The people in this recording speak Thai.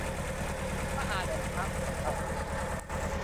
พระอานนทะ ผู้เป็นพหูสูต